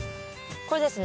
これですね？